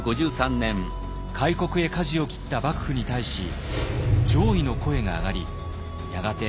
開国へかじを切った幕府に対し攘夷の声が上がりやがて